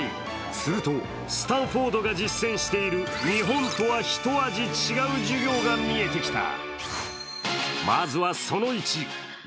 すると、スタンフォードが実践している日本とはひと味違う授業が見えてきた。